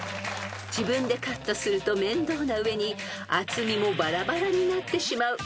［自分でカットすると面倒な上に厚みもバラバラになってしまう］